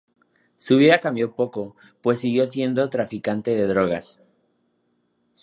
Su vida cambió poco, pues siguió siendo traficante de drogas.